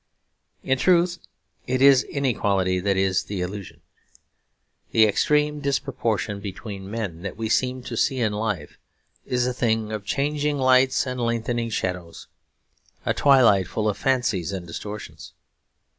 In truth it is inequality that is the illusion. The extreme disproportion between men, that we seem to see in life, is a thing of changing lights and lengthening shadows, a twilight full of fancies and distortions.